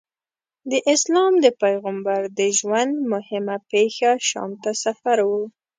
د اسلام د پیغمبر د ژوند موهمه پېښه شام ته سفر و.